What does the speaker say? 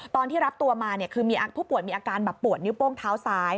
ตอนที่รับตัวมาคือมีผู้ป่วยมีอาการแบบปวดนิ้วโป้งเท้าซ้าย